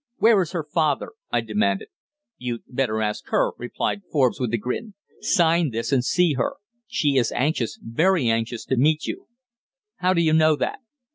"Where is her father?" I demanded. "You'd better ask her," replied Forbes, with a grin. "Sign this, and see her. She is anxious very anxious to meet you." "How do you know that?"